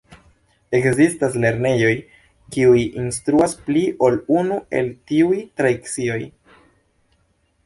Ekzistas lernejoj kiuj instruas pli ol unu el tiuj tradicioj.